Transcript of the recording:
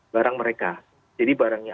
barang mereka jadi barangnya